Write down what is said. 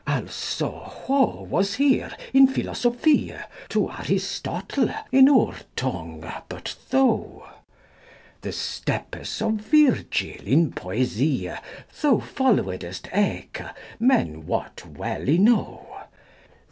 Also who was hier in philosophie To Aristotle in our tonge but thou? The steppes of Virgile in poesie Thou folwedist eeke, men wot wel ynow.